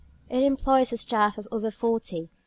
It employs a staff of over forty.